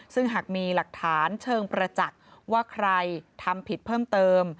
ซึ่งหากมีหลักฐานเชิงประจักษ์ว่าใครทำผิดเพิ่มเติม